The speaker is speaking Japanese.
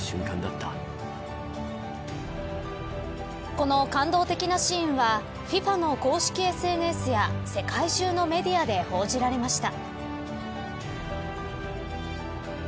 この感動的なシーンはＦＩＦＡの公式ＳＮＳや世界中のメディアで報じられました。